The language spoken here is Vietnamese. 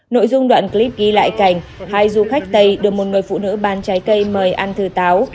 nội dung đoạn clip ghi lại cảnh hai du khách tây được một người phụ nữ bán trái cây mời ăn thừa táo